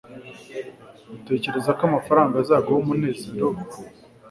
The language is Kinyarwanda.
utekereza ko amafaranga azagura umunezero we